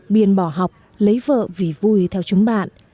biên bỏ học lấy vợ vì vui theo chúng bạn